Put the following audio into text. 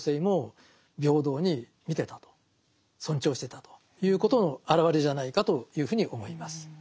日蓮がということの表れじゃないかというふうに思います。